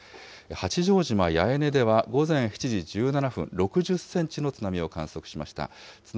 八丈島八重根では午前７時１７分、６０センチの津波を観測しました。